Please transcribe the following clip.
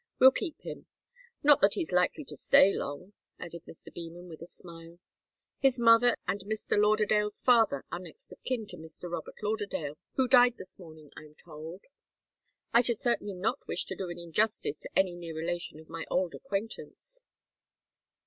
We'll keep him. Not that he's likely to stay long," added Mr. Beman, with a smile. "His mother and Mr. Lauderdale's father are next of kin to Mr. Robert Lauderdale, who died this morning, I'm told. I should certainly not wish to do an injustice to any near relation of my old acquaintance."